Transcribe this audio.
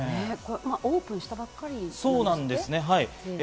オープンしたばっかりなんですって？